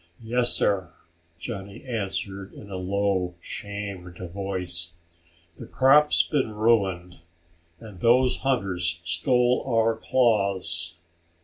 "Yes, sir," Johnny answered in a low, shamed voice. "The crop's been ruined, and those hunters stole our claws."